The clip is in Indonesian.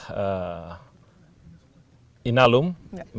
ini sudah ada yang menurut saya